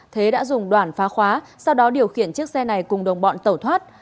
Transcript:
thế đã dùng đoàn phá khóa sau đó điều khiển chiếc xe này cùng đồng bọn tẩu thoát